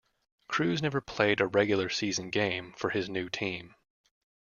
Crews never played a regular season game for his new team.